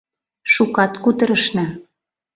Шукат кутырышна.